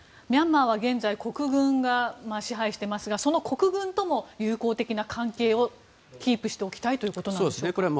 ミャンマーは現在国軍が支配していますがその国軍とも友好的な関係をキープしておきたいということでしょうか？